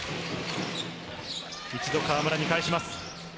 一度、河村に返します。